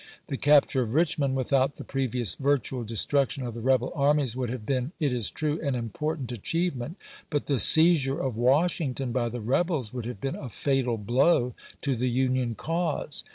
The capture of Richmond, without the previous virtual destruction of the rebel armies, would have been, it is true, an important achievement, but the seiz ure of Washington by the rebels would have been a fatal blow to the Union cause.